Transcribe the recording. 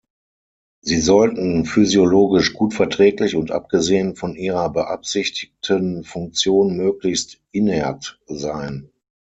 Sie sollten physiologisch gut verträglich und abgesehen von ihrer beabsichtigten Funktion möglichst inert sein.